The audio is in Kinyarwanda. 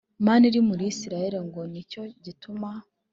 Mana iri muri Isirayeli Ngo ni cyo gituma